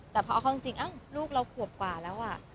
แต่พอเอาเข้าจริงลูกเราขวบกว่าแล้ว